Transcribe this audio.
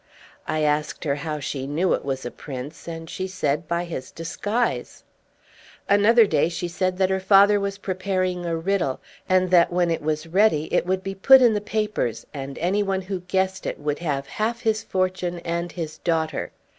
I asked her how she knew it was a prince, and she said by his disguise. Another day she said that her father was preparing a riddle, and that when it was ready it would be put in the papers, and anyone who guessed it would have half his fortune and his daughter.